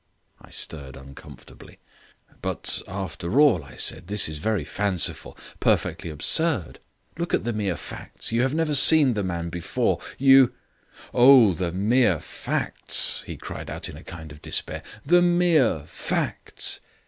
I stirred uncomfortably. "But, after all," I said, "this is very fanciful perfectly absurd. Look at the mere facts. You have never seen the man before, you " "Oh, the mere facts," he cried out in a kind of despair. "The mere facts!